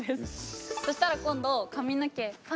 そしたら今度髪の毛フワ！